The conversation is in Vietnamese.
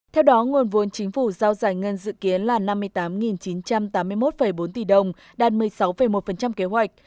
theo đó nguồn vốn chính phủ giao giải ngân dự kiến là năm mươi tám chín trăm tám mươi một bốn tỷ đồng đạt một mươi sáu một kế hoạch